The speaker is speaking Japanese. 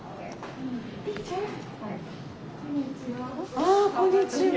あこんにちは。